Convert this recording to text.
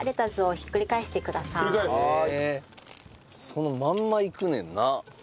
そのまんまいくねんな。